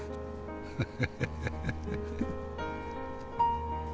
フフフフフ。